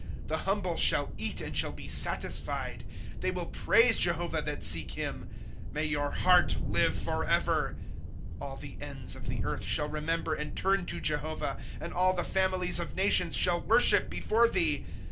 ^'^ The humble shall eat, and shall be satisfied ; They will praise Jehovah that seek him ; May your heart hve forever !^■^ All the ends of the earth shall remember and turn to Jehovah, And all the families of nations shall worship before thee.